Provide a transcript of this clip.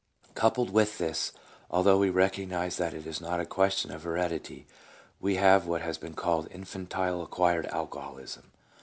Coupled with this, although we recognize that it is not a question of heredity, we have what has been called " Infantile acquired alcoholism."